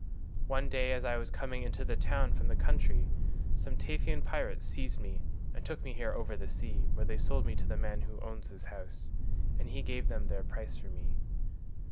One day as I was coming into the town from the country, some Taphian pirates seized me and took me here over the sea, where they sold me to the man who owns this house, and he gave them their price for me.